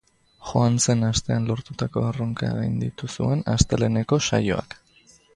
Joan zen astean lortutako errekorra gainditu zuen asteleheneko saioak.